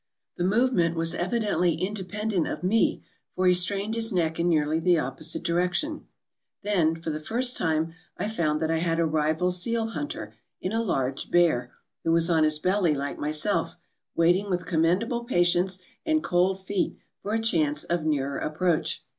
The movement was evidently independent of me, for he strained his neck in nearly the opposite direction. Then, for the first time, I found that I had a rival seal hunter in a large bear, who was on his belly like myself, waiting with commendable patience and cold feet for a chance of nearer approach.